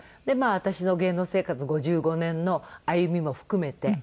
で私の芸能生活５５年の歩みも含めて。